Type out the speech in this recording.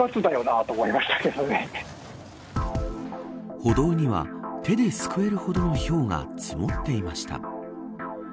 歩道には手ですくえるほどのひょうが積もっていました。